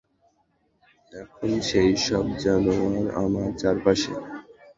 এখন সেই সব জানোয়ার আমার চারপাশে।